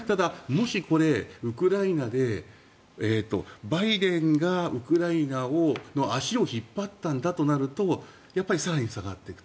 もしウクライナでバイデンがウクライナの足を引っ張ったんだとなると更に下がっていく。